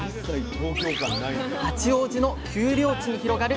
八王子の丘陵地に広がる